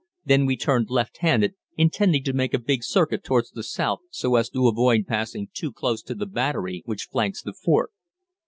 Then we turned left handed, intending to make a big circuit towards the south so as to avoid passing too close to the battery which flanks the fort.